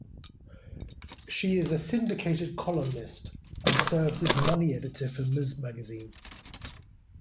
She is a syndicated columnist, and serves as Money Editor for Ms. Magazine.